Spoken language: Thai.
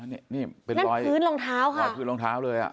นี่นี่เป็นรอยพื้นรองเท้าค่ะรอยพื้นรองเท้าเลยอ่ะ